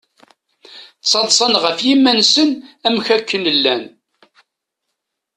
Ttaḍsan ɣef yiman-nsen amek akken llan.